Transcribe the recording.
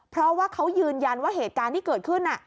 เพราะว่าเขายืนยันว่าเหตุการณ์ที่เกิดขึ้น